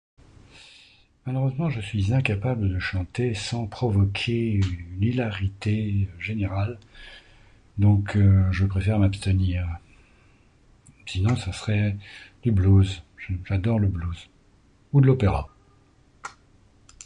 Malheureusement je suis incapable de chanter sans provoquer une hilarité générale. Donc je préfère m'abstenir. Sinon ce serait le blues, j'adore le blues; ou de l'opéra.